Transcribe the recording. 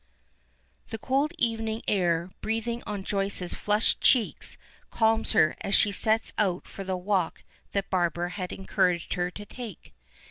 The cool evening air breathing on Joyce's flushed cheeks calms her as she sets out for the walk that Barbara had encouraged her to take.